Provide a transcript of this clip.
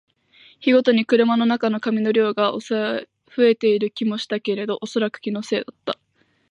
日ごとに車の中の紙の量が増えている気もしたけど、おそらく気のせいだった